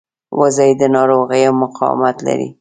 وزې د ناروغیو مقاومت لري